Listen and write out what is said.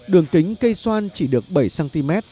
đường kính cây xoan chỉ được bảy cm